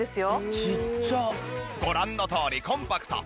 ご覧のとおりコンパクト。